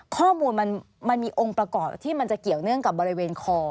ข้อมูลมันมีองค์ประกอบที่มันจะเกี่ยวเนื่องกับบริเวณคอ